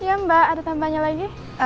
iya mbak ada tambahnya lagi